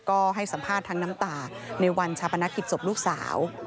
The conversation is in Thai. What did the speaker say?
ก็ให้สัมภาษณ์ทั้งน้ำตาในวันชาปนกิจศพลูกสาว